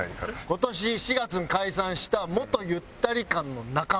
今年４月に解散した元ゆったり感の中村。